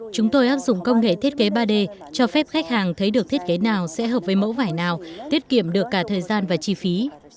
chúng tôi áp dụng công nghệ thiết kế ba d cho phép khách hàng thấy được thiết kế nào sẽ hợp với mẫu vải nào tiết kiệm được cả thời gian và chi phí